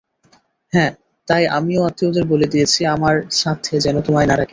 হা তাই আমিও আত্মীয়দের বলে দিয়েছি, আমার শ্রাদ্ধে যেনো তোমায় না ডাকে।